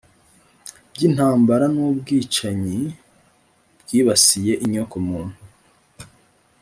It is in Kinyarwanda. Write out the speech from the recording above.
by'intambara n'ubwicanyi bwibasiye inyoko muntu